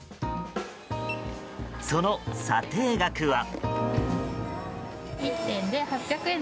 その査定額は？